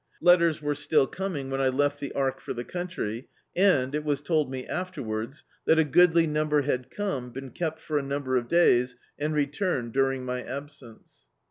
Letters were still coming when I left the Ark for the coun try; and, it was told me afterwards, that a goodly number had come, been kept for a niimber of days, and returned during my absence.